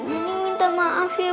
bening minta maaf ya